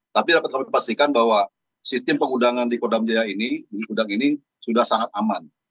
tapi dapat kami pastikan bahwa sistem pengundangan di kodam jaya ini sudah sangat aman